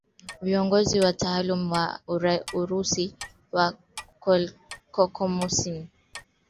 viongozi na watawala wa Urusi wa kikomunisti Huo ulikuwa mwanzo wa vita ya wenyewe